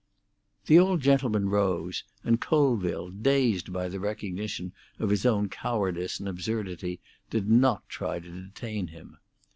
The old gentleman rose, and Colville, dazed by the recognition of his own cowardice and absurdity, did not try to detain him.